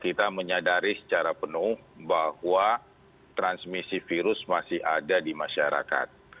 kita menyadari secara penuh bahwa transmisi virus masih ada di masyarakat